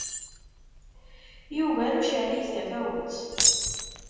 Yuger ucerrig tafawet.